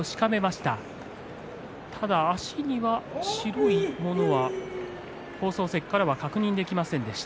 ただ足には白いものは放送席からは確認できませんでした。